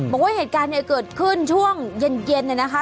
บอกว่าเหตุการณ์เนี่ยเกิดขึ้นช่วงเย็นเนี่ยนะคะ